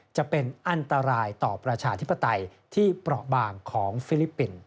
จะเป็นอันตรายต่อประชาธิปไตยที่เปราะบางของฟิลิปปินส์